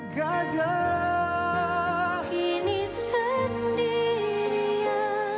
gajah ini sendirian